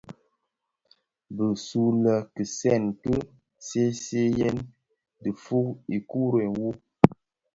Bisulè kitsen ki seeseeyèn dhifuu ikure wu.